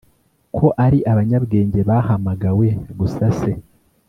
ko ari abanyabwenge bahamagawe gusase.